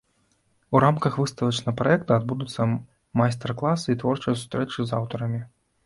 У рамках выставачнага праекта адбудуцца майстар-класы і творчыя сустрэчы з аўтарамі.